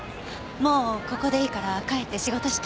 もうここでいいから帰って仕事して。